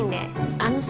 あのさ。